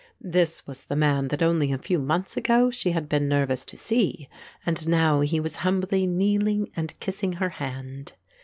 This was the man that only a few months ago she had been nervous to see and now he was humbly kneeling and kissing her hand.